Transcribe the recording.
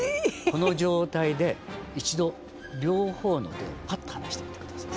この状態で一度両方の手をパッと離してみて下さい。